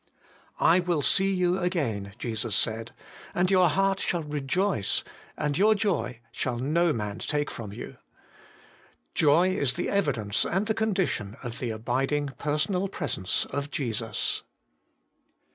' I will see you again,' Jesus said, 'and your heart shall rejoice, and your joy shall no man take from you.' Joy is the evidence and the condition of the abiding personal presence of Jesus.